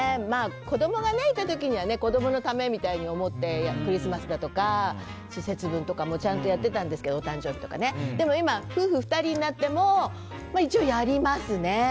子供がいた時には子供のためみたいに思って、クリスマスだとか節分とかもちゃんとやっていたんですけど今、夫婦２人になっても一応やりますね。